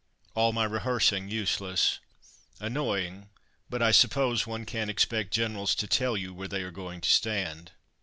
All my rehearsing useless. Annoying, but I suppose one can't expect Generals to tell you where they are going to stand.